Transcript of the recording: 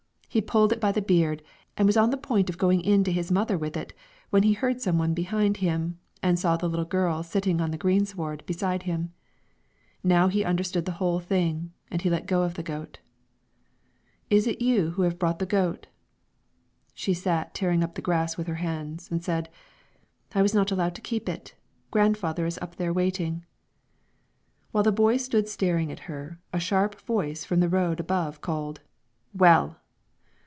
He pulled it by the beard, and was on the point of going in to his mother with it, when he heard some one behind him, and saw the little girl sitting on the greensward beside him. Now he understood the whole thing, and he let go of the goat. "Is it you who have brought the goat?" She sat tearing up the grass with her hands, and said, "I was not allowed to keep it; grandfather is up there waiting." While the boy stood staring at her, a sharp voice from the road above called, "Well!"